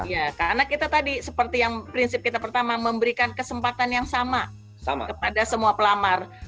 ya karena kita tadi seperti yang prinsip kita pertama memberikan kesempatan yang sama kepada semua pelamar